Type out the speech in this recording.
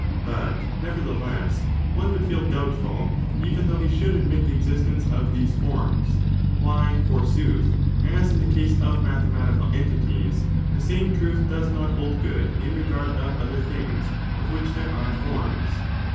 But, nevertheless, one would feel doubtful, even though he should admit the existence of these forms,^ why, forsooth, as in the case of mathematical entities, the same truth does not hold good in regard of other things of which there are forms